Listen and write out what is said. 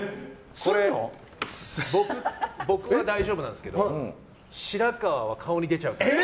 僕は大丈夫なんですけど白川は、顔に出ちゃうタイプです。